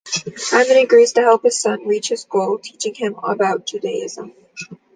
Hyman agrees to help his son reach his goal, teaching him all about Judaism.